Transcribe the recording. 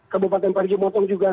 kabupaten parijimotong juga